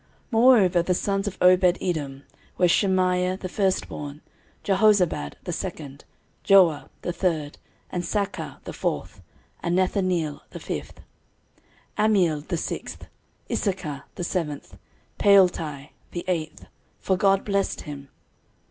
13:026:004 Moreover the sons of Obededom were, Shemaiah the firstborn, Jehozabad the second, Joah the third, and Sacar the fourth, and Nethaneel the fifth. 13:026:005 Ammiel the sixth, Issachar the seventh, Peulthai the eighth: for God blessed him.